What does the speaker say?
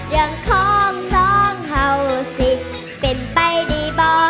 เรื่องของส้อมเฮาสิเป็นไปได้บ่